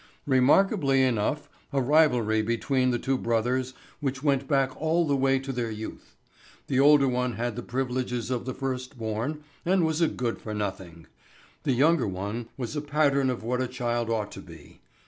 Remarkably enough a rivalry between the two brothers which went back all the way to their youth. The older one had the privileges of the first born and was a good for nothing. The younger one was a pattern of what a child ought to be.